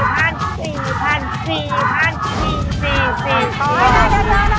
จากนั้นบิน